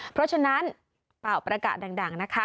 เพราะฉะนั้นเป่าประกาศดังนะคะ